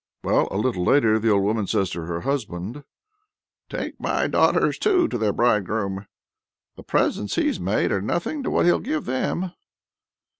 Well, a little later the old woman says to her husband: "Take my daughters, too, to their bridegroom. The presents he's made are nothing to what he'll give them."